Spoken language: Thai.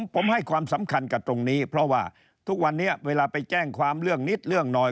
ผมให้ความสำคัญกับตรงนี้เพราะว่าทุกวันนี้เวลาไปแจ้งความเรื่องนิดเรื่องหน่อย